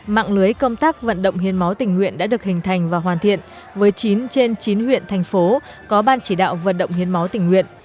mạng lưới công tác vận động hiến máu tình nguyện đã được hình thành và hoàn thiện với chín trên chín huyện thành phố có ban chỉ đạo vận động hiến máu tỉnh nguyện